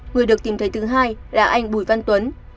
người được tìm thấy thứ hai là anh bùi văn tuấn